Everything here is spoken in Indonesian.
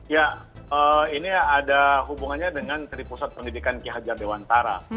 ya ini ada hubungannya dengan dari pusat pendidikan ki hajar dewantara